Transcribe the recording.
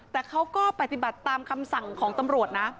แต่เขาก็ปฏิบัติตามคำสั่งของตำรวจนะ